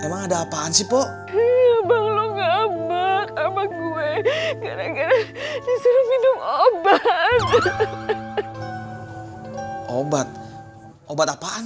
emang ada apaan sih pok abang lu ngambek sama gue gara gara disuruh minum obat obat obat apaan